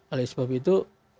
oleh sebab itu